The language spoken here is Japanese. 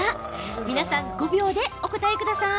皆さん、５秒でお答えください。